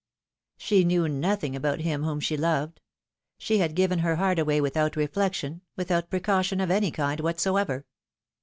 She knew nothing about him whom she loved; she had given her heart away without reflection, without precau tion of any kind whatsoever.